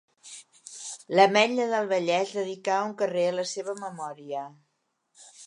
L'Ametlla del Vallès dedicà un carrer a la seva memòria.